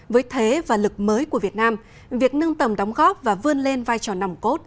với thế và lực mới của việt nam việc nâng tầm đóng góp và vươn lên vai trò nòng cốt